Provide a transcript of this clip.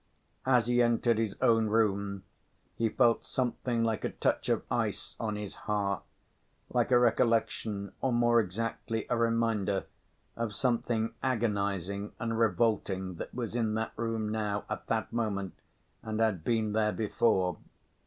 As he entered his own room he felt something like a touch of ice on his heart, like a recollection or, more exactly, a reminder, of something agonizing and revolting that was in that room now, at that moment, and had been there before.